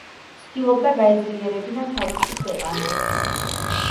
ცდილობდა გაეძლიერებინა თავისი ქვეყანა.